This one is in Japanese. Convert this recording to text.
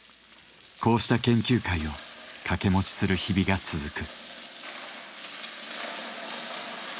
こうした研究会を掛け持ちする日々が続く。